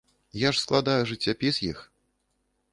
Я ж складаю жыццяпіс іх.